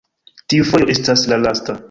tiu fojo estas la lasta!